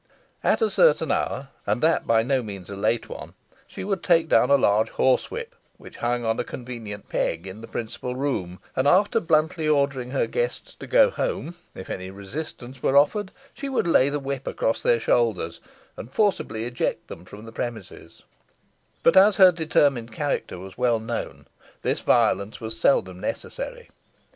At a certain hour, and that by no means a late one, she would take down a large horsewhip, which hung on a convenient peg in the principal room, and after bluntly ordering her guests to go home, if any resistance were offered, she would lay the whip across their shoulders, and forcibly eject them from the premises; but, as her determined character was well known, this violence was seldom necessary.